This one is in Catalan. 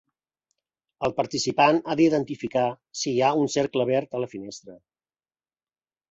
El participant ha d'identificar si hi ha un cercle verd a la finestra.